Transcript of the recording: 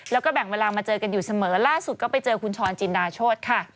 แล้วก็แบ่งเวลามาเจอกันอยู่เสมอล่าสุดก็ไปเจอคุณชรจินดาโชธค่ะ